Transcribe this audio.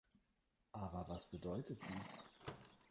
Aber was bedeutet dies?